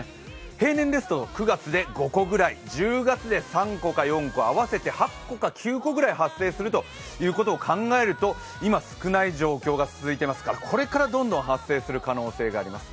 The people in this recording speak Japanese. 平年ですと９月で５個ぐらい、１０月で３個か４個、合わせて８個か９個ぐらい発生するということを考えると、今、少ない状況が続いていますからこれからどんどん発生する可能性があります。